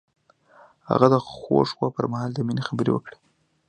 هغه د خوږ خوب پر مهال د مینې خبرې وکړې.